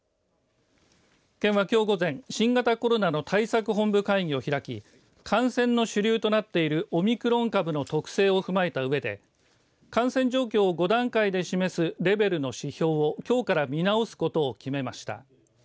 県はきょう午前新型コロナの対策本部会議を開き感染の主流となっているオミクロン株の特性を踏まえたうえで感染状況を５段階で示すレベルの指標をきょうから見直すことを決めました。